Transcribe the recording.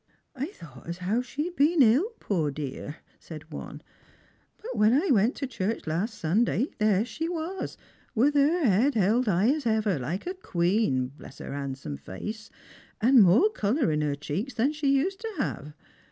" I thought as how she'd been ill, poor dear," said one ;" biit when I went to church last Sunday, there she was, with her head held as high as ever, like a queen, bless her handsome face, and more colour in her cheeks than she used to have.